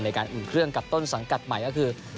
ในการอุ่นเครื่องกับต้นสังกัดใหม่ก็คือ